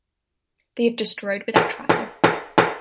They have destroyed without trial.